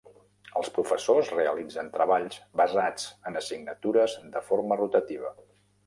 Els professors realitzen treballs basats en assignatures de forma rotativa.